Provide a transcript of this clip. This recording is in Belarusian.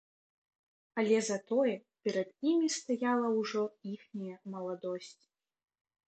Але затое перад імі стаяла ўжо іхняя маладосць.